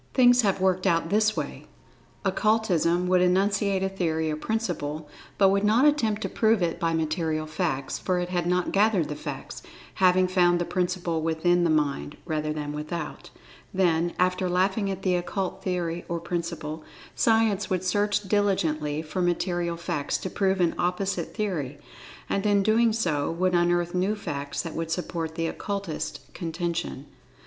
Things have worked this way: Occultism would enunciate a theory or principle—but would not attempt to prove it by material facts, for it had not gathered the facts, having found the principle within the mind, rather than without. Then, after laughing at the occult theory or principle, Science would search diligently for material facts to prove an opposite theory,[Pg 26] and in so doing would unearth new facts that would support the Occultists contention.